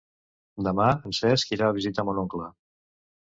Demà en Cesc irà a visitar mon oncle.